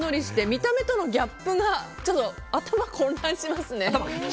見た目とのギャップが頭が混乱しますね。